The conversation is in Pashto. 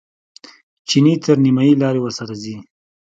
چیني تر نیمایي لارې ورسره ځي.